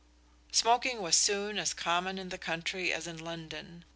Smoking was soon as common in the country as in London.